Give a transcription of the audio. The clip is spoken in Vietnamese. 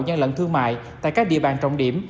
gian lận thương mại tại các địa bàn trọng điểm